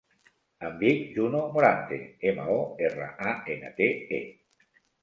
Em dic Juno Morante: ema, o, erra, a, ena, te, e.